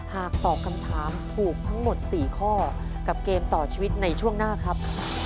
หากตอบคำถามถูกทั้งหมด๔ข้อกับเกมต่อชีวิตในช่วงหน้าครับ